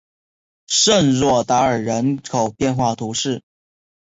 圣若达尔人口变化图示